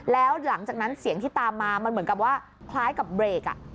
แล้วหลังจากนั้นเสียงที่ตามมามันเหมือนกับว่าคล้ายกับเบรก